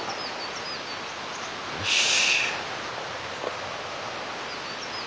よし。